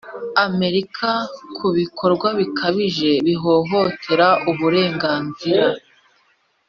amerika ku bikorwa bikabije bihohotera uburenganzira